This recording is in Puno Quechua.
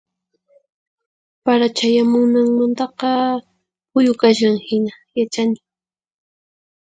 Para chayamunanmantaqa phuyu kashan hina yachani.